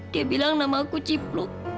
dia bilang nama aku cipluk